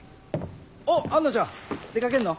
おっ杏奈ちゃん出掛けんの？